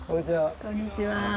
こんにちは。